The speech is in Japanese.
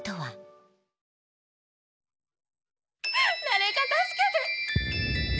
誰か助けて！